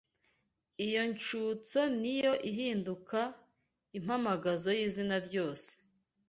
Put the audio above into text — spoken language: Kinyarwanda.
Iyo ncutso niyo ihinduka Impamagazo y’izina ryose